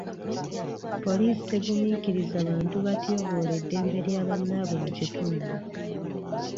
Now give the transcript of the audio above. Poliisi tegumiikiriza bantu batyoboola eddembe lya bannabwe mu kitundu.